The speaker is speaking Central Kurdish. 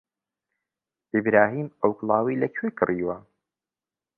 ئیبراهیم ئەو کڵاوەی لەکوێ کڕیوە؟